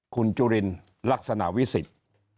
คุณจุลินลักษณะวิสิทธิ์